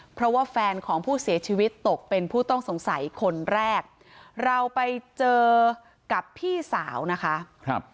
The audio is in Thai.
เพราะว่าแฟนของผู้เสียชีวิตตกเป็นผู้ต้องสงสัยคนแรกเราไปเจอกับพี่สาวนะคะครับ